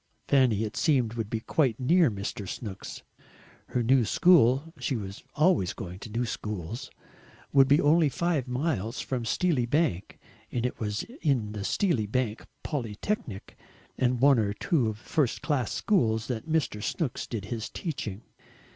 Fanny, it seemed, would be quite near Mr. Snooks. Her new school she was always going to new schools would be only five miles from Steely Bank, and it was in the Steely Bank Polytechnic, and one or two first class schools, that Mr. Snooks did his teaching.